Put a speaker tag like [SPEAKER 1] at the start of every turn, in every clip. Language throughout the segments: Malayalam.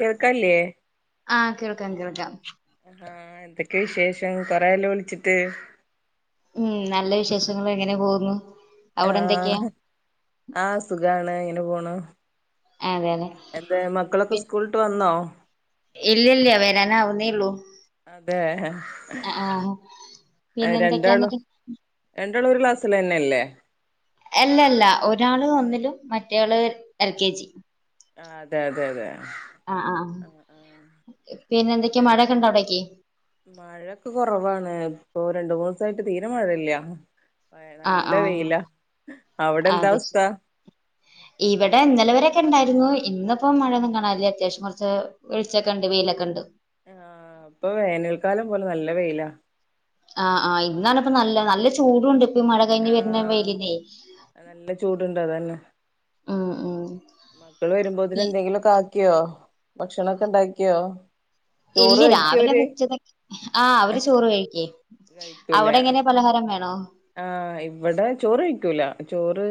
[SPEAKER 1] കേൾക്കാല്ല്യെ
[SPEAKER 2] ആഹ് കേൾക്കാം കേൾക്കാം
[SPEAKER 1] ആ എ. എന്തൊക്കെ വിശേഷം കൊറെയായൊല്ലോ വിളിച്ചിട്ട്
[SPEAKER 2] ഉം നല്ല വിശേഷങ്ങള് അങ്ങനെ പോകുന്നു
[SPEAKER 1] ആ
[SPEAKER 2] അവിടെ എന്തൊക്കെയാ
[SPEAKER 1] ആ അ സുഖാണ് ങ്ങനെ പോണു
[SPEAKER 2] അതെ അതെ
[SPEAKER 1] എന്താ മക്കളൊക്കെ സ്കൂളിട്ട് വന്നോ
[SPEAKER 2] ഇല്ലല്ല വരാന ആവുന്നേള്ളൂ
[SPEAKER 1] അതെ
[SPEAKER 2] അ ആ
[SPEAKER 1] രണ്ടാളും രണ്ടാളും ഒരു ക്ലാസ്സിലെന്നല്ലേ
[SPEAKER 2] അല്ല അല്ല ഒരാള് ഒന്നിലും മറ്റാള് എൽ കെ ജി
[SPEAKER 1] ആ അതെ അതെ അതെ
[SPEAKER 2] ആ ആ
[SPEAKER 1] ആഹ് ആഹ്
[SPEAKER 2] പിന്നെ എന്തൊക്കെയാ
[SPEAKER 1] രണ്ട്
[SPEAKER 2] മഴക്കെണ്ടോ അവിടക്ക്
[SPEAKER 1] ഓ രണ്ടു മൂന്ന് ദിവസായിട്ട് തീരെ മഴയില്ല ആ
[SPEAKER 2] ആഹ്
[SPEAKER 1] നല്ല
[SPEAKER 2] ആഹ്
[SPEAKER 1] വെയില അവിടെന്താ
[SPEAKER 2] അതെ
[SPEAKER 1] അവസ്ഥ
[SPEAKER 2] ശരി. ഇവിടെ ഇന്നലെ വരൊക്കെ ഉണ്ടായി രുന്നു ഇന്നിപ്പോം മഴയൊന്നും കാണാില്ലേ അത്യാവശ്യം കുറച്ച് വെളിച്മൊക്കെ ഉണ്ട് വെയിലൊക്കെ ഉണ്ട്
[SPEAKER 1] ആ അപ്പൊ വേനൽക്കാലം പോലെ നല്ല വെയിലാ
[SPEAKER 2] ആഹ് ആ് ഇന്നാന ഇപ്പ നല്ല നല്ല ചൂടുണ്ട് ഈ മഴ കഴിഞ്ഞ് വരുന്ന
[SPEAKER 1] ആഹ
[SPEAKER 2] വെയിലിനെ
[SPEAKER 1] നല്ല ചൂടുണ്ടോ അതന്നെ
[SPEAKER 2] ഉം ഉം
[SPEAKER 1] മക്കള് വരുമ്പോതിന് എന്തെങ്കിലും കാ ഭക്ഷണൊക്കെ ഉണ്ടാക്കിയോ ചോറ്
[SPEAKER 2] ഇല്ലില്ല
[SPEAKER 1] കഴിക്കോ
[SPEAKER 2] രാവിലെ
[SPEAKER 1] അവര്
[SPEAKER 2] വെച്ചതെ ആഹ് അവര് ചോറ് കഴിക്കേ
[SPEAKER 1] കഴിക്കൂല
[SPEAKER 2] അവിടെ എങ്ങനെ പലഹാരം വേണോ
[SPEAKER 1] ആഹ് ഇവിടെ ചോറ് കഴിക്കൂല ചോറ്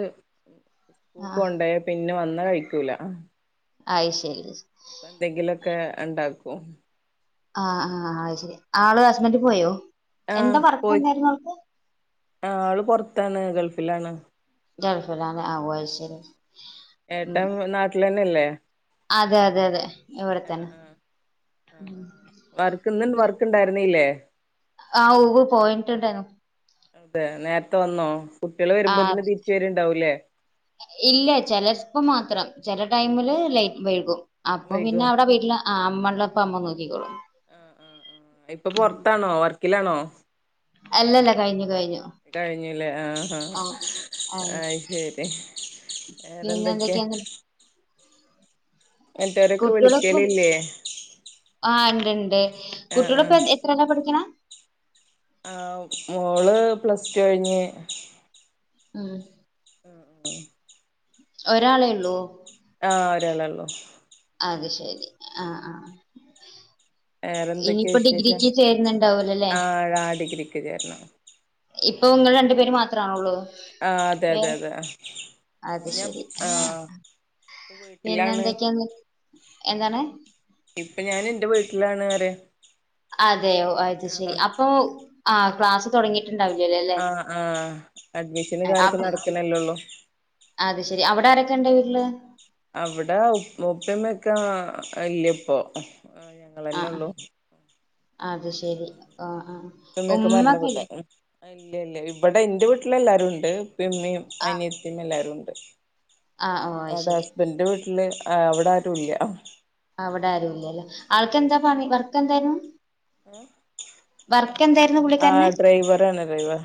[SPEAKER 2] ആ
[SPEAKER 1] സ്കൂൾക്ക കൊണ്ട പിന്നെ വന്ന് കഴിക്കൂല
[SPEAKER 2] അയി ശരി
[SPEAKER 1] അപ്പൊ എന്തെങ്കിലൊക്കെ ഉണ്ടാക്കോ
[SPEAKER 2] ആഹ് ആഹ് അ ശരി ആള് ഹസ്ബന്റ് പോയോ എന്താ വർക്ക്‌ എന്തായിരുന്നു അവൾക്ക്
[SPEAKER 1] ആ അവള് പുറത്താണ് ഗൾഫിലാണ് ഏട്ടൻ
[SPEAKER 2] [unintelligible]
[SPEAKER 1] നാട്ടിലന്നെല്ലേ
[SPEAKER 2] അതെ അതെ അതെ ഇവിടെ
[SPEAKER 1] ആ
[SPEAKER 2] തന്നെ
[SPEAKER 1] ആ ആ വർക്ക് ഇന്ന വർക്ക് ഇണ്ടായിരുന്നല്ലേ
[SPEAKER 2] ആ ഊവ് പോയിട്ടുണ്ടന്ന
[SPEAKER 1] അതെ നേരത്തെ വന്നോ കുട്ടികള്
[SPEAKER 2] ആഹ
[SPEAKER 1] വരുമ്പോത്തിന് തിരിച്ച് വരുണ്ടാവൂലേ
[SPEAKER 2] ഇല്ല ചിലപ്പം മാത്രം ചെില ടൈമില് ലൈറ്റ് വഴിക്കും അപ്പം
[SPEAKER 1] വൈകോ
[SPEAKER 2] പിന്നെ അവിടെ വീട്ടില് അമ്മള്ളപ്പ അമ്മ നോക്കിക്കോളും
[SPEAKER 1] ആ ആ ആ ഇപ്പൊ പുൊറത്താണോ വർക്കിലാണോ
[SPEAKER 2] അല്ല കഴിഞ്ഞു കഴിഞ്ഞു
[SPEAKER 1] ഇത കഴിഞ്ഞല്ലേ ആ
[SPEAKER 2] ആ
[SPEAKER 1] ആ ശരി വേറെന്തൊക്കെയ
[SPEAKER 2] കുട്ടികളൊക്കെ
[SPEAKER 1] വിളിക്കലില്ലേ
[SPEAKER 2] ണ്ട്
[SPEAKER 1] ആഹ്
[SPEAKER 2] കുട്ടിയടൊപ്പ എത്രല്ല പഠിക്കണ
[SPEAKER 1] ആഹ മോള് പ്ലസ് കഴിഞ്ഞ്
[SPEAKER 2] ആഹ
[SPEAKER 1] [unintelligible]
[SPEAKER 2] ഒരാളെ ഉള്ളൂ
[SPEAKER 1] ആഹ ഒരാളെ ഉള്ളു
[SPEAKER 2] അത് ശരി ആ ആഹ
[SPEAKER 1] വേറെന്തൊക്കെയാ
[SPEAKER 2] ഇനിയിപ്പോ
[SPEAKER 1] വിശേഷം
[SPEAKER 2] ഡിഗ്രിക്ക് ചേരുന്നുണ്ടാവലല്ലേ
[SPEAKER 1] ആഹ് ആഹ് ഡിഗ്രിക്ക് ചേരണം
[SPEAKER 2] ഇപ്പൊ നിങ്ങൾ രണ്ടു പേര് മാത്രമാണള്ളൂ
[SPEAKER 1] ആഹ് അതെ
[SPEAKER 2] വേ
[SPEAKER 1] അതെ അതെ
[SPEAKER 2] അത്
[SPEAKER 1] ഞാൻ
[SPEAKER 2] ശരി
[SPEAKER 1] ആഹ്
[SPEAKER 2] ആഹ പിന്നെ
[SPEAKER 1] വീട്ടിലാണ്
[SPEAKER 2] എന്തൊക്കെയാ എന്താണ്
[SPEAKER 1] ഇപ്പൊ ഞാൻ എൻറെ വീട്ടിലാണ് ആരെ
[SPEAKER 2] അതെയോ അത്ശരി അപ്പൊ ആ ക്ലാസ്സ് തുടങ്ങി
[SPEAKER 1] ആഹ് ആഹ അഡ്മിഷൻ കാര്ക്കെ
[SPEAKER 2] അവിടെ
[SPEAKER 1] നടക്കണല്ലോള്ളു.
[SPEAKER 2] അത് ശരി, അവിടെ ആരൊക്കെ ഉണ്ട് വീട്ടില്
[SPEAKER 1] അവിടെ ഉപ്പമ്മൊക്കെ ഇല്ലപ്പൊ ആ
[SPEAKER 2] ആഹ്
[SPEAKER 1] ഞങ്ങളെന്നെ
[SPEAKER 2] ആഹ്
[SPEAKER 1] ഉള്ളൂ.
[SPEAKER 2] അത്
[SPEAKER 1] ക്കെ
[SPEAKER 2] ശരി ആഹ് ആഹ്
[SPEAKER 1] പ്പമ്മയെക്കെ
[SPEAKER 2] ഉമ്മ
[SPEAKER 1] മരണ
[SPEAKER 2] ഒക്കെ
[SPEAKER 1] പ്പെട്ട
[SPEAKER 2] ഇല്ലേ
[SPEAKER 1] ക്ണ്. ഇല്ല ഇല്ല ഇവിടെ എന്റെ വീട്ടിലെല്ലാരും ഉണ്ട്. പ്പമ്മയും അനിയത്തിയും എല്ലാരുംണ്ട്.
[SPEAKER 2] ആഹ് ഓ അത്
[SPEAKER 1] അവിടെ
[SPEAKER 2] ശരി
[SPEAKER 1] ഹസ്ബന്റിന്റെ വീട്ടില് അവിടെ ആരുല്ല.
[SPEAKER 2] അവിടെ ആരുല്ലല്ലേ? ആൾക്കെന്താ പണി വർക്കെന്തായിരുന്നു. എന്തായിരുന്നു
[SPEAKER 1] ആ ഡ്രൈവർന്നെ ഡ്രൈവർ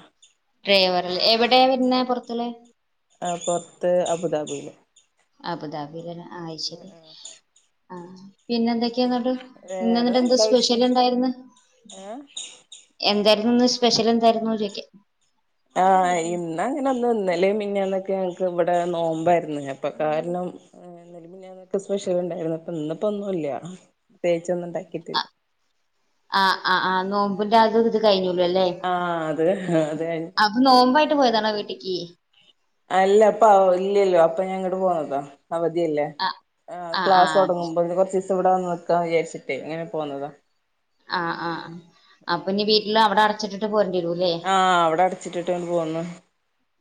[SPEAKER 2] ഡ്രൈവറല്ലെ എവിടെയ വരുന്ന പൊർത്തല്.
[SPEAKER 1] ആ പൊറത്ത് അബുദാബിയില്
[SPEAKER 2] അബുദാബില്ലല്ലേ അയ് ശരി ആഹ പിന്നെ എന്തൊക്കെയാന്നിട്ട് ഇന്നന്താ
[SPEAKER 1] വേറെ
[SPEAKER 2] ന്നിട്ട് എന്തോ
[SPEAKER 1] നല്ല
[SPEAKER 2] സ്പെഷ്യൽ
[SPEAKER 1] വിശേഷം
[SPEAKER 2] ഉണ്ടായിന
[SPEAKER 1] ഏഹ്
[SPEAKER 2] എന്ത ന്ന് സ്പെഷ്യൽ എന്തായിരുന്നേ ചേയ്ക്കാ.
[SPEAKER 1] ആഹ് ഇന്ന് അങ്ങനെ ഒന്ന്ല്ല ഇന്ന മിനഞ്ഞാന്നൊക്കെ ഞങ്ങക്ക് ഇവിടെ നോമ്പായിരുന്നുപ്പൊ കാരണം നെലമിഞ്ഞാനൊക്കെ സ്പെഷ്യൽ ഉണ്ടായിരുന്നു. അപ്പോ ഇന്നപ്പോ ഒന്നുല്ല. ത്യച്ചൊന്നും ഉണ്ടാക്കിട്ടില്ല.
[SPEAKER 2] ആ് ആ ആ് നോമ്പിന്റെ അത് ഇത് കഴിഞ്ഞു. ലെല്ലേ
[SPEAKER 1] ആഹ് അത് അത് കഴിഞ്ഞ്
[SPEAKER 2] അപ്പൊ നോമ്പായിട്ട് പോയതാണോ വീട്ടക്ക്?
[SPEAKER 1] അല്ല അപ്പ അവ്ഇല്ലല്ലോ അപ്പൊ ഞാ ഇങ്ങോട്ട് പോന്നതാ. അവധിയല്ലേ
[SPEAKER 2] ആ ആ ആ
[SPEAKER 1] ആക്ലാസ് തുടങ്ങുമ്പോ ഇനി കുറച്ച് സ് ഇവിടെന്ന് നിക്കാ വിചാരിച്ചിട്ടേ ഇങ്ങനെ പോന്നതാ.
[SPEAKER 2] ആഹ് ആ ആ അപ്പൊ ഇനി വീട്ടില് അവിടെ അടച്ചിട്ടിട്ട് പോര
[SPEAKER 1] ആഹ അവിടെ അടച്ചിട്ടിട്ട്ന് പോന്നു.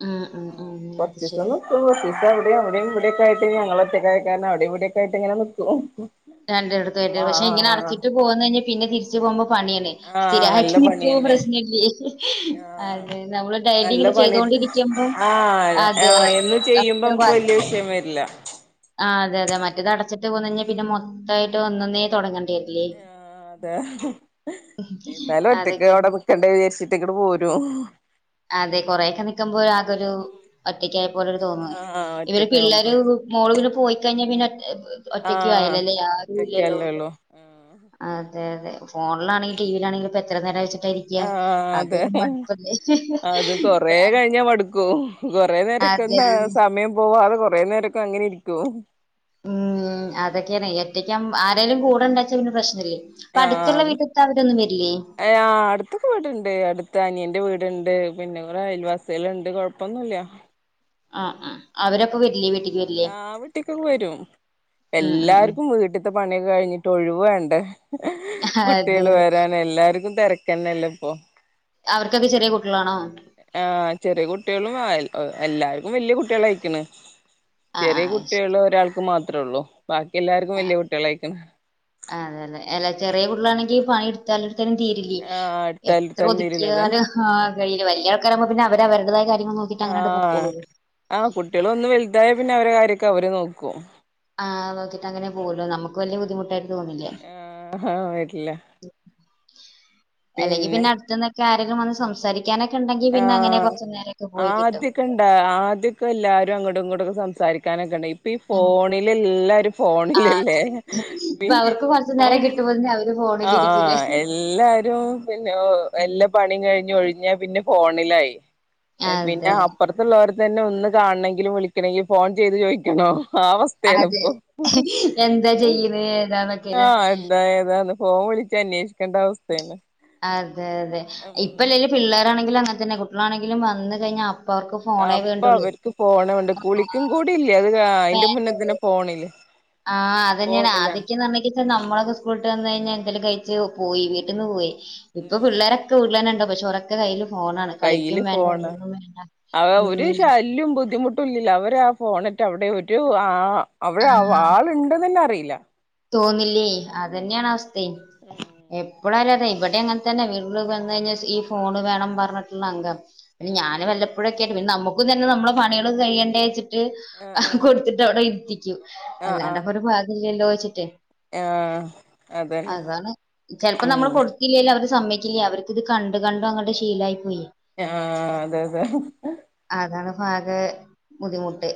[SPEAKER 2] ഉം ഉം
[SPEAKER 1] ആ
[SPEAKER 2] ഉം അത്
[SPEAKER 1] കൊർച്ചിസം
[SPEAKER 2] ശരി
[SPEAKER 1] നിക്കുംകൊർച്ചീസം അവിടെയും അവിടെയും ഇവിടെക്കയി ഞങ്ങൾ ഒറ്റകഴക്കാരണം അവിടെ ഇവിടെക്കെ ആയി്ട്ട്ഇങ്ങനെ നിൽക്കും.
[SPEAKER 2] രണ്ട അടത്തയിട്ട് പക്ഷെങ്ങനെടച്ചിട്ട് പോകന്ന് കഴിഞ്ഞാൽ പിന്നെ തിരിച്ച് പോകുമ്പോ പണിയല്ലെ
[SPEAKER 1] ആഹ് നല്ല
[SPEAKER 2] സ്ഥിരയിട്ട്
[SPEAKER 1] പണിയന്നെ
[SPEAKER 2] നിക്കുമ്പോപ്രശ്നേല്ലേയ്
[SPEAKER 1] ആഹ്
[SPEAKER 2] അതെ നമ്മൾ
[SPEAKER 1] നല്ല
[SPEAKER 2] ഡയിലിങ്ങനെ ചെയ്തോ
[SPEAKER 1] പണിട്ട്
[SPEAKER 2] രിക്കുമ്പോ
[SPEAKER 1] ആഹ് ആഹ് എന്ന് ചെയ്യുമ്പോ
[SPEAKER 2] അതേഅത്ര
[SPEAKER 1] നമുക്ക്
[SPEAKER 2] വാദി
[SPEAKER 1] വല്യ വിഷയം വരില്ല
[SPEAKER 2] ആ അതെ അതെ മറ്റേത് അടച്ചിട്ട് പോന്നഞ്ഞാ പിന്നെ മൊത്തായിട്ട് ഒന്നന്നേ തുടങ്ങണ്ടേരില്ലേ.
[SPEAKER 1] ആഹ് അതെ എന്നാലും ഒറ്റക്ക്
[SPEAKER 2] അതൊക്കെ
[SPEAKER 1] അവിടെ നിക്കണ്ട വിചാരിച്ചിട്ട് ഇങ്ങ് പോരും.
[SPEAKER 2] അതെ കൊറെയൊക്കെ നിക്കുമ്പോ ആകൊരു ഒറ്റക്കായ പോലൊരു തോന്നയ്
[SPEAKER 1] ആഹ്
[SPEAKER 2] ഇവര് പിള്ളേർ
[SPEAKER 1] ഒറ്റക്കാവുമ്പോ
[SPEAKER 2] മോള് പോയിക്കഴിഞ്ഞാ പിന്നെ ഒറ്റക്ക
[SPEAKER 1] ആഹ്
[SPEAKER 2] ആയല്ലല്ലേ ആരു ഇല്ലല്ലോ?
[SPEAKER 1] ഒറ്റക്കല്ലേള്ളൂ ആഹ്
[SPEAKER 2] അതെ അതെ ഫോണിലാണങ്കിൽ ടിവിയിലാണങ്കിലും ഇപ്പോ എത്ര നേരം വെച്ചി
[SPEAKER 1] ആഹ അതെ അത് കൊറ കഴിഞ്ഞ മടുക്കൂ കൊറേ നേരം
[SPEAKER 2] അതെ
[SPEAKER 1] രിക്ക്ന്നാ സമയം പോവാതെ കുറേ നേരൊക്കെ അങ്ങനെ ഇരിക്കും.
[SPEAKER 2] ഉം അതൊക്കെയാണ് ഏറ്റയ്ക്ക ആരോലും കൂടെ ഉണ്ടച്ച പിന്നെ പ്രശ്നല്ല.
[SPEAKER 1] ആ അടുത്തൊക്കെ വീടുണ്ട്. അടുത്ത അനിയന്റെ വീട് ണ്ട് പിന്നെ അയൽവാസികളുണ്ട് കൊഴപ്പൊന്നുംല്ല.
[SPEAKER 2] ആഹ ആ അവരപ്പൊ വരില്ലെ
[SPEAKER 1] ആ വീട്ടിക്കൊക്കെ വരും.
[SPEAKER 2] ഉം ഉം ഉം
[SPEAKER 1] എല്ലാർക്കും വീട്ടത്തെ പണിയൊക്കെ കഴിഞ്ഞിട്ട് ഒഴിവേണ്ടേ കുട്ടികൾ
[SPEAKER 2] അതെ
[SPEAKER 1] വരാന എല്ലർക്കും തിരക്കന്നല്ലോ ഇപ്പൊ
[SPEAKER 2] അവർക്കൊക്കെ ചെറിയ കുട്ട
[SPEAKER 1] ആഹ ചെറിയ കുട്ടികളും എല്ലാർക്കും വല്യകുട്ടികളയിക്കണ്.
[SPEAKER 2] ആഹ്
[SPEAKER 1] ചെറിയ
[SPEAKER 2] ആഹ്
[SPEAKER 1] കുട്ടിയുള്ള ഒരാൾക്ക് മാത്രേ ഉള്ളൂ. ബാക്കി എല്ലാർക്കും വല്യ കുട്ടികളായിക്കണ്.
[SPEAKER 2] റ്റൊക്കാണെങ്കിൽ പണി എടുത്താലും തീരില്ല്യെ
[SPEAKER 1] ആ
[SPEAKER 2] എത്ര
[SPEAKER 1] അടുത്തടുത്തന്നെ വീടിള്ളത്
[SPEAKER 2] ഒതുക്കിയാലും ആ കയ്യില വല്ല്യാൾക്കാരാവുമ്പോ പിന്നെ അവര് അവര്ടെതായ കാ
[SPEAKER 1] ആഹ് ആ കുട്ട്യോളൊന്ന് വെൽതായ പിന്നെ അവരെ കാര്യൊക്കെ അവര് നോക്കും.
[SPEAKER 2] ആഹ് നോക്കിട്ട് അങ്ങനെ പോവല്ലോ നമുക്ക്
[SPEAKER 1] ഹ
[SPEAKER 2] വലിയ ബുദ്ധിമുട്ടായിട്ട് തോന്നില്ല
[SPEAKER 1] ഹ ആഹ് ഹ വര്ല്ല
[SPEAKER 2] എല്ലെങ്കി പിന്നെ അട്ത്ത്ന്നൊക്കെ ആരെലും വന്ന് സംസാരി
[SPEAKER 1] ആഹ്
[SPEAKER 2] കിട്ടും
[SPEAKER 1] ആദ്യൊക്കെ ഇണ്ടാ ആദ്യക്കെ എല്ലാരും അങ്ങടും ഇങ്ങടും സം സാരിക്കാനൊക്കെണ്ടെ പ്പീ ഫോണിലെല്ലാരും
[SPEAKER 2] ആഹ്
[SPEAKER 1] ഫോണിലെല്ലേഹ
[SPEAKER 2] ഇപ്പൊ അവർക്ക് കുറച്ചു
[SPEAKER 1] ഹ
[SPEAKER 2] നേരം കിട്ടുമ്പോത്തിന് അവര് ഫോണിലിരിക്കൂലേ
[SPEAKER 1] ആഹ് എല്ലാരും പിന്നെ എല്ലാ പണിയും കഴിഞ്ഞൊഴി പിന്നെ ഫോണിലായി പിന്നെ
[SPEAKER 2] അതെ
[SPEAKER 1] അപ്പറ്ത്തുപ്പർ തന്നെ ഒന്ന് കാണെങ്കിലും വിളിക്കണെങ്കിൽ ഫോൺ ചെയ്ത് ചോദിക്കണോ? ആ അവസ്‌തെണ്
[SPEAKER 2] അതെ
[SPEAKER 1] ഇപ്പൊ
[SPEAKER 2] എന്താ ചെയ്യണ് ഏതാന്നൊക്കെല്ലേ
[SPEAKER 1] ആഹ് എന്താ ഏതാണ് ഫോൺ വിളിച്ചന്വേഷിക്കണ്ട അവസ്തേണ്.
[SPEAKER 2] അതെ അതെ ഇപ്പല്ലെല് പിള്ളേരാണെങ്കിലും അങ്ങൻത്തന്നെ കുട്ട്യാളാണെങ്കിലും വന്ന് കഴിഞ്ഞാ അപ്പ അവർക്ക് ഫോണേ
[SPEAKER 1] അപ്പൊ
[SPEAKER 2] വേണ്ടുള്ളൂ
[SPEAKER 1] അവർക്ക് ഫോൺ വേണ്ടെ
[SPEAKER 2] ആഹ്
[SPEAKER 1] കുളിക്കും കൂടി ഇല്ല അത് അയിന്റെ മുന്നേ
[SPEAKER 2] വേണ്ടേ
[SPEAKER 1] തന്നെ ഫോണില്
[SPEAKER 2] ആഹ് അതെന്നെണ്
[SPEAKER 1] ഫോണിലാണ്
[SPEAKER 2] ആദ്യൊക്കെ പറഞ്ഞേയ്ക്ച്ച നമ്മളൊക്കെ സ്കൂൾട്ട് വന്ന് കഴിഞ്ഞാൽ എന്തേലും കഴിച്ചു പോയി വീട്ടിന്ന് പോയി ഇപ്പൊ പിള്ളേരൊക്കെ വീട്ട്ലെന്നെ ണ്ട് പക്ഷെ കയ്ൽ ഫോണാണ് കളിക്കും വേണ്ട ഒന്നും വേണ്ട
[SPEAKER 1] അഹ് ഒരു
[SPEAKER 2] ഉം
[SPEAKER 1] ശല്യോം ബുദ്ധിമുട്ടുല്ലല്ലോ അവരാ പോണിട്ട് അവിടെ ഒരു ആ അവിടെ
[SPEAKER 2] ആഹ്
[SPEAKER 1] ആള്ണ്ടന്നെന്നെ അറിയില്ല.
[SPEAKER 2] തോന്നില്ലേ അതെന്യാണ് അവസ്‌ത്തെ എപ്പലാരറേ ഇവിടെ അങ്ങ തെന്നെ വീട്ടില് വന്ന് കഴിഞ്ഞാൽ ഈ ഫോണ് വേണംന്ന് പറഞ്ഞിട്ട്ള്ള അംഗാണ് പിന്നെ ഞാന് വല്ലപ്പോഴൊക്കെ ട്ടോ ഇവൽക്ക് ഫോ ക്കും തെന്നെ നമ്മളെ പണികളൊക്കെ കയ്യണ്ടെച്ചിട്ട്
[SPEAKER 1] ആ
[SPEAKER 2] കൊടുത്തിട്ട് അവിടെ ഇര്ത്തി
[SPEAKER 1] ആ ആ ആ
[SPEAKER 2] അല്ലാണ്ടെപ്പോ ഒരു [unintelligible] ച്ട്ടേ
[SPEAKER 1] ആ അതന്നെ
[SPEAKER 2] അതാണ് ചെലപ്പോ
[SPEAKER 1] ഉം
[SPEAKER 2] നമ്മള് കൊടുതില്ലെലും അവര് സമ്മയ്ക്കില്ല അവർക്കിത് കണ്ട് കണ്ടങ്ങട് ശീലായിപ്പോയി.
[SPEAKER 1] ആ അതെ അതെ
[SPEAKER 2] അതാണിപ്പാകെ
[SPEAKER 1] ഉം
[SPEAKER 2] ബുദ്ധിമുട്ട്.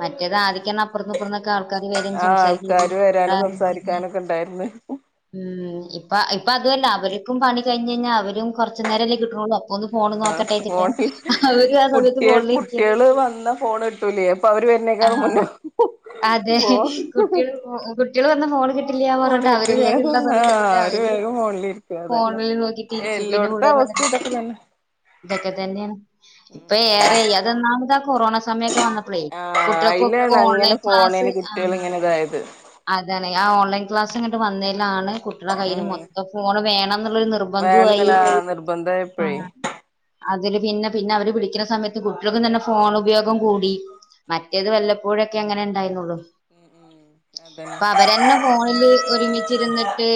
[SPEAKER 2] മറ്റേത് ആദിക്കെന്നെ അപ്പർന്നിപ്പർന്നൊ ആൾക്കാര് വരും
[SPEAKER 1] ആ
[SPEAKER 2] സംസാരിക്കും
[SPEAKER 1] ആൾക്കാര്
[SPEAKER 2] ചെയ്യുംബ ആ
[SPEAKER 1] വരാനും സംസാരിക്കാനൊക്കെ ഉണ്ടായിരുന്നു
[SPEAKER 2] ഉം പ്പ ഇപ്പ അതുവല്ല അവർക്കും പണി കഴിഞ്ഞയിഞ്ഞ അവരും കൊറച് നേരെല്ലേ കിട്ടണു ഒന്ന് ഫോൺ നോക്കട്ടെച്ചിട്ട് അവരും ആ സമയത്ത്
[SPEAKER 1] കുട്ട്യേ
[SPEAKER 2] ഫോണിലിരിക്കരുത്
[SPEAKER 1] കുട്ട്യേള് വന്ന ഫോൺ കിട്ടൂലേ അപ്പൊ അവര് വര്ണെക്കാളും
[SPEAKER 2] ആഹ്
[SPEAKER 1] മുന്നെ
[SPEAKER 2] അതെ ഹ ഹകുട്ട്യേൾ പ്പൊ കുട്ട്യേൾ പ
[SPEAKER 1] ഫോണ് കിട്ടില്ല ആഹ് അവര് വേഗം ഫോണിലിരിക്കും അതന്നെ
[SPEAKER 2] ഫോണിൽ നോക്കിട്ട് ഇരിക്കും പിന്നെ
[SPEAKER 1] എല്ലോട്ത്തും
[SPEAKER 2] പിള്ളേര്
[SPEAKER 1] അവ
[SPEAKER 2] വന്നിട്ട്
[SPEAKER 1] ഇതൊക്കതന്നെ
[SPEAKER 2] ഇതൊക്കെ തെന്നെണ് ഇപ്പ ഏറെ അതൊന്നാമത് ആ കൊറോണ സമയ വന്നപ്പളെ
[SPEAKER 1] ആഹ്
[SPEAKER 2] കുട്ട്യേൾക്കൊക്കെ
[SPEAKER 1] അയിലാണ്
[SPEAKER 2] ഓൺലൈൻ
[SPEAKER 1] അങ്ങനെ
[SPEAKER 2] ക്ലാസ്
[SPEAKER 1] ഫോണിന് കുട്ടികൾ
[SPEAKER 2] ആഹ്
[SPEAKER 1] ഇങ്ങനെ ഇതായത്
[SPEAKER 2] അതെ ലെ ആ ഓൺലൈൻ ക്ലാസ് ഇങ്ങട് വന്നേലാണ് കുട്ട്യേളെ കയ്യിൽ
[SPEAKER 1] ഉം
[SPEAKER 2] മൊത്തം ഫോണ് വേണംന്നുള്ളൊരു നിർബന്തോവായി
[SPEAKER 1] വേണന്നില്ല നിർബന്ധമായപ്പോഴേ
[SPEAKER 2] ആഹ് അതില് പിന്നെ പിന്നെ അവര് വിളിക്ക്ണെ സമയത്ത് കുട്ട്യോൾക്കും തന്നെ ഫോൺ ഉപയോഗം കൂടി മറ്റേത് വല്ലപ്പോഴൊക്കെങ്ങനെ ഇണ്ടായിരുന്നുള്ളു
[SPEAKER 1] ഉം ഉം അതന്നെ
[SPEAKER 2] പ്പവരന്നെ ഫോണില് ഒരുമിച്ചിര്ന്ന്ട്ട്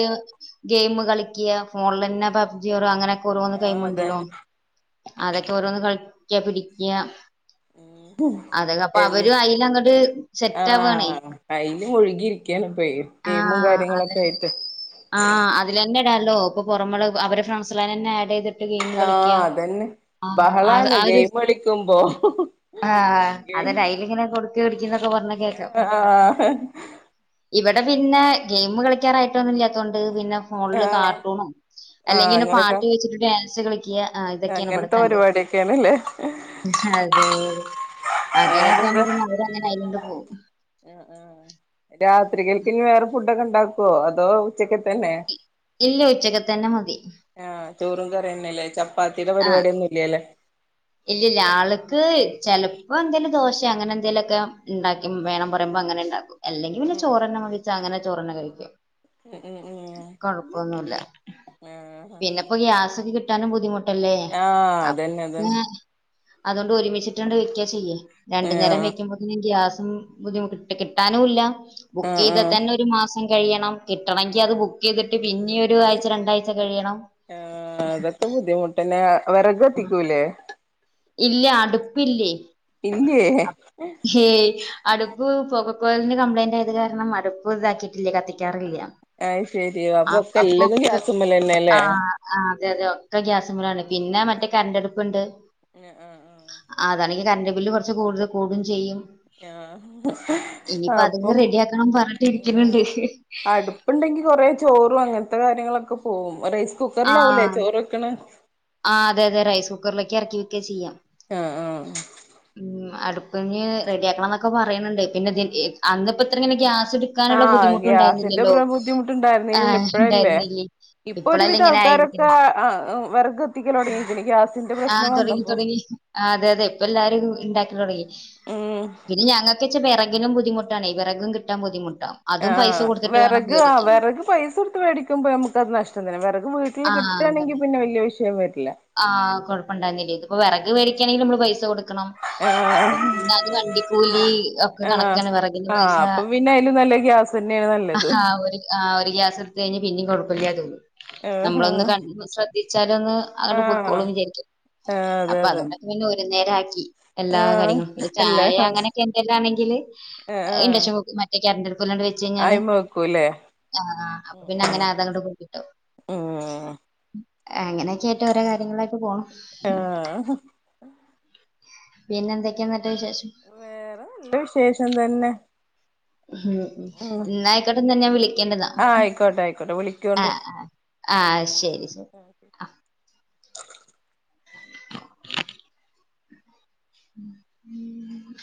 [SPEAKER 2] ഗെയിം കളിക്ക്യ ഫോണിലെന്നെ പബ്ജിയോർ അങ്ങനെക്കെ ഓരോന്ന്
[SPEAKER 1] ആഹ്
[SPEAKER 2] ഗെയിമ് ണ്ടല്ലോ
[SPEAKER 1] അതന്നെ
[SPEAKER 2] അതൊക്കെ ഓരോന്ന് കളിക്ക്യ പിടിക്ക്യ
[SPEAKER 1] ഉം
[SPEAKER 2] അതെ അപ്പൊ
[SPEAKER 1] എ
[SPEAKER 2] അവരും അയിലങ്ങട് സെറ്റാവാണേ...
[SPEAKER 1] ആഹ് അയില് മുഴുകിയിരിക്കയാണ് ഇപ്പേ ഗെയിമും
[SPEAKER 2] ആഹ്
[SPEAKER 1] കാര്യങ്ങളൊക്കെ
[SPEAKER 2] അതെന്നെ
[SPEAKER 1] ആയിട്ട്
[SPEAKER 2] ആഹ് അതിലന്നെ ഇടാല്ലോ പ്പൊ പുറമള്ളെ അവരെ ഫ്രണ്ട്സാളെന്നെ ആഡ് ചെയ്ത് ട്ട് ഗെയിം കളിക്ക്യ
[SPEAKER 1] ആഹ് അതന്നെ
[SPEAKER 2] ആഹ്
[SPEAKER 1] ബഹളാണ്
[SPEAKER 2] ആ ഒരു
[SPEAKER 1] ഗെയിം കളിക്കുമ്പോ
[SPEAKER 2] ആഹ്
[SPEAKER 1] ഗെ
[SPEAKER 2] അതന്നെ അയ്ലിങ്ങനെ കൊട്ക്കി കൊടിക്കിന്നൊക്കെ പറേണെ കേക്കാം
[SPEAKER 1] ആഹ്
[SPEAKER 2] ഇവിടെ പിന്നെ ഗെയിം കളിക്കാറായിട്ടൊന്നുല്ലാത്തോണ്ട് പിന്നെ ഫോണിൽ
[SPEAKER 1] ആഹ്
[SPEAKER 2] കാർട്ടൂണോ
[SPEAKER 1] ആഹ്
[SPEAKER 2] അല്ലെങ്കിൽ പിന്നെ
[SPEAKER 1] അങ്ങനൊക്കെ
[SPEAKER 2] പാട്ട് വെച്ചിട്ട് ഡാൻസ് കളി ക്ക്യ ആ ഇതൊക്കെണ്
[SPEAKER 1] അങ്ങനത്തെ
[SPEAKER 2] ഇവിടത്തെ അംഗം
[SPEAKER 1] പരിപാടിയൊക്കെയാണല്ലേ
[SPEAKER 2] അതെെ അങ്ങനൊക്കെ ആുമ്പോ അടെ അങ്ങനെ ആയതോണ്ട് പോകും
[SPEAKER 1] ഉ ഉ രാത്രികൾക്ക് ഇനി വേറെ ഫുഡൊക്കെ ഇണ്ടാക്കുവോ അതോ ഉച്ചക്ക തന്നെ
[SPEAKER 2] ഇല്ല ഉച്ചക്ക തന്നെ മതി
[SPEAKER 1] ആഹ് ചോറും കറയുന്നല്ലേ ചപ്പാത്തിയുടെ പരിപാടിൊന്നും ഇല്ല അല്ലേ
[SPEAKER 2] ഇല്ലല്ല ആള്ക്ക് ചെിലപ്പോ എന്തെങ്കിലും ദോശ അങ്ങനെ എന്തേലുംൊക്കെ ഉണ്ടാക്കി വേണം പറയുമ്പോ അങ്ങെ ഉണ്ടും അല്ലെങ്ക വല
[SPEAKER 1] ഉം
[SPEAKER 2] ചോെണ്ണെ വിച്ച അങ്ങെ ചോെണ്ണ കഴിക്കും
[SPEAKER 1] ഉം ഉം ഉം
[SPEAKER 2] കുഴപ്പൊന്നുംല്ല
[SPEAKER 1] ആഹ്
[SPEAKER 2] പിന്നെപ്പോൊ ഗ്യാസൊക്കെ കിട്ട കിാനും ബുദ്ധിമുട്ടല്ലേ
[SPEAKER 1] ആഹ്
[SPEAKER 2] അപ്പൊ
[SPEAKER 1] അതന്നെ അതന്നെ
[SPEAKER 2] അതുകൊണ്ട് ഒരുമിച്ചിട്ടണ്ട് വെക്ക ചെയ്യേ രണ്ടു നേരം
[SPEAKER 1] ആഹ്
[SPEAKER 2] വെക്കുമ്പോന്ന ഗ്യാ ബുദ്ധിമുട്ട് കിട്ടാനുംല്ല ബുക്ക്
[SPEAKER 1] ആഹ്
[SPEAKER 2] ചെയ്താൽ
[SPEAKER 1] ആഹ്
[SPEAKER 2] തന്നെ ഒരു മാസം കഴിയണം
[SPEAKER 1] ഉം
[SPEAKER 2] കിട്ടണമെങ്കി അത് ബുക്ക് ചെയ്തിട്ട് പിന്നെ ഒരു ആഴ്ച രണ്ടാഴ്ച കഴിയണം
[SPEAKER 1] ആ അതൊക്കെ ബുദ്ധിമുട്ടന്നെ വിറക്ക്ത്തിക്കൂലേ
[SPEAKER 2] ഇല്ല അടുപ്പില്ലേയ്
[SPEAKER 1] ഇല്ലേ
[SPEAKER 2] അടുപ്പ് പുക പുകലിന് കംപ്ലയിന് ആയ കാരണം മടുപ്പ് ഇതാക്കയിട്ടില്ല കത്തിക്കാറില്ല
[SPEAKER 1] അയ് ശരി
[SPEAKER 2] ആ
[SPEAKER 1] ഒക്കെ
[SPEAKER 2] അപ്പൊ
[SPEAKER 1] എല്ലതും ഗ്യാസുമ്മലന്നെല്ലേ
[SPEAKER 2] ആഹ ആ അതെ അതെ ഒക്കെ ഗ്യാസ് മേലാണ് പിന്നെ മറ്റേ കറണ്ടടുപ്പുണ്ട്
[SPEAKER 1] ഉം ആഹ് ആഹ്
[SPEAKER 2] കറന്റ് ബില്ല് കുറച്ച് കൂടുതൽ കൂടും ചെയ്യും
[SPEAKER 1] ആഹ്
[SPEAKER 2] ഇനിപ്പോ അതെ
[SPEAKER 1] അപ്പം
[SPEAKER 2] റെഡി ആക്കണം പറഞ്ഞട്ട് ഇരിക്കുന്നുണ്ട്
[SPEAKER 1] കൊറെ ചോറും അങ്ങനത്തെ കാര്യങ്ങളൊക്കെ പോകും റൈസ് കുക്കറിലാവലേ ചോറൊക്കണ്
[SPEAKER 2] ആഹ് അതെതെ റൈസ് കുക്കറിലൊക്കെ ഇറക്കി വെക്ക ചെയ്യാം
[SPEAKER 1] ആഹ് ആ
[SPEAKER 2] അടുപ്പഞ്ഞ് റെഡിയ ആക്കണം എന്നൊക്കെ പറയുന്നുണ്ട് പിന്നെ അന്നപ്പോ ഇത്രങ്ങയാ എടുക്കാനുള്ള
[SPEAKER 1] ആഹ്
[SPEAKER 2] ബുദ്ധിമുട്ട്
[SPEAKER 1] ഗ്യാസിന്റെ
[SPEAKER 2] ഉണ്ടായിരുന്നില്ലല്ലോ
[SPEAKER 1] പ്ര
[SPEAKER 2] ആ
[SPEAKER 1] ബുദ്ധിമുട്ടുണ്ടായിരുന്നില്ലല്ലോ ഇപ്പഴല്ലേ
[SPEAKER 2] ഉണ്ടായിരുന്നില്ലേ
[SPEAKER 1] ഇപ്പൊ
[SPEAKER 2] ഇപ്പളല്ലേ
[SPEAKER 1] ഒരുവിധം
[SPEAKER 2] ഇങ്ങനെ
[SPEAKER 1] ആൾക്കാരൊക്കെ
[SPEAKER 2] ആയിരിക്കുന്നത്
[SPEAKER 1] ആ വിറക് എത്തിക്കലുടെങ്കിൽ എനിക്ക്
[SPEAKER 2] ആഹ് തുടങ്ങി തുടങ്ങി അതെ അതെ ഇപ്പ എല്ലാരും ഉണ്ടാക്കി തുടങ്ങി
[SPEAKER 1] ഉം
[SPEAKER 2] പിന്ന ഞങ്ങൾക്ക് വിറകും ബുദ്ധിമുട്ടണ വിറകും കിാൻ ബുദ്ധിമു്
[SPEAKER 1] ആ വിറക് ആ് വിറക് പൈസ എടുത്ത് മേടിക്കുമ്പോ നമുക്ക് അത് നഷ്ടം തന്നെ വിറക് വീട്ടിൽ കിട്ട ണെങ്ക പിന്നെ വലിയ വിഷയംരും
[SPEAKER 2] ആഹ കൊഴപ്പംണ്ടായിന്നില്ല അപ്പൊ വിറക് പേടിക്കയാണെങ്കിൽ നമ്മള് പൈസ കൊടുക്കണം അപ്പൊ
[SPEAKER 1] ആഹ്
[SPEAKER 2] പിത് വണ്ട കൂലി ഒക്കെ
[SPEAKER 1] ആഹ്
[SPEAKER 2] കണക്ക
[SPEAKER 1] ആഹ് അപ്പൊ പിന്നെ അയിലും നല്ല ഗ്യാസ് തന്നെയാണ് നല്ലത്
[SPEAKER 2] ആ് ഒരു ഗ്യാസ് എടുത്ത കഴിഞ്ഞഞ് പിന്നേും കുഴപ്പമില്ല തോന്നും
[SPEAKER 1] ആഹ്
[SPEAKER 2] നമ്മളൊന്ന് ക ശ്രദ്ധിച്ചാല ഒന്ന് അങ്ങോട്ട്
[SPEAKER 1] ആഹ്
[SPEAKER 2] പൊക്കോളും വിചാരിക്കും
[SPEAKER 1] ആഹ് അതെ
[SPEAKER 2] അപ്പൊ
[SPEAKER 1] അതെ
[SPEAKER 2] അതുകൊണ്ടൊക്കെ പിന്നെ ഒരു നേരക്കി എല്ലാ
[SPEAKER 1] ആഹ്
[SPEAKER 2] കാര്യങ്ങളും
[SPEAKER 1] എല്ലാ
[SPEAKER 2] ചായ
[SPEAKER 1] ആഹ്
[SPEAKER 2] അങ്ങനെയൊക്കെ എന്തിലാണെങ്കില്
[SPEAKER 1] ആഹ്
[SPEAKER 2] ഇച്ചക്ക് മറ്റൊക്കെ ല്ലണ്ട് വെച്ച് കഴിഞ്ഞാല്
[SPEAKER 1] അയിമ വെക്കൂല്ലേ
[SPEAKER 2] ആഹ ആ അപ്പൊ
[SPEAKER 1] ഉം
[SPEAKER 2] പിന്നെ അങ്ങനെ
[SPEAKER 1] ഉം
[SPEAKER 2] അതങ്ങോട്ട് കുട്ടട്ടോ
[SPEAKER 1] ഉം
[SPEAKER 2] അങ്ങനെയൊക്കൊയിട്ട് ഓരോ കാര്യങ്ങളൊക്കെ പോണം
[SPEAKER 1] ആഹ്
[SPEAKER 2] പിന്നെ എന്തൊക്കെയാ വിശേഷം
[SPEAKER 1] വേറെ നല്ല വിശേഷം തന്നെ
[SPEAKER 2] ഉം ഉം ഇന്ന ആയിക്കോട്ടെന്ന ഞാൻ വിളി ണ്ട
[SPEAKER 1] ആഹ് ആയിക്കോട്ടെ ആയിക്കോട്ടെ
[SPEAKER 2] ആ
[SPEAKER 1] വിളിക്കോണ്ടു
[SPEAKER 2] ആഹ് ശരി ശരി ആ ഉം ഉം ഉം